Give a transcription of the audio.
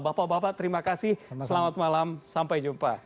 bapak bapak terima kasih selamat malam sampai jumpa